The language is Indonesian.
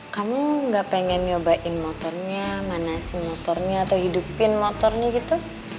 kamu gak pengen nyobain motornya mana si motornya atau hidupin motornya gitu